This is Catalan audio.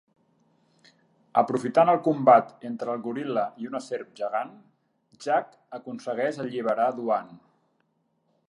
Aprofitant el combat entre el goril·la i una serp gegant, Jack aconsegueix alliberar Duane.